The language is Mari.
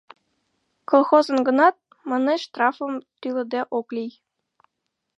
— Колхозын гынат, манеш, штрафым тӱлыде ок лий.